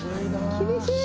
厳しい。